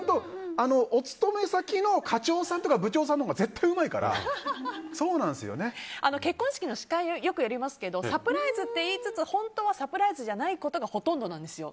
お勤め先の課長さんとか部長さんのほうが結婚式の司会をよくやりますけどサプライズと言いつつ本当はサプライズじゃないことがほとんどなんですよ。